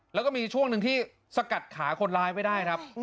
แล้วก็มีช่วงหนึ่งที่สกัดขาคนร้ายไว้ได้ครับ